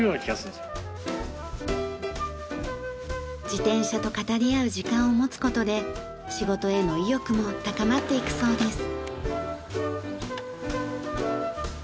自転車と語り合う時間を持つ事で仕事への意欲も高まっていくそうです。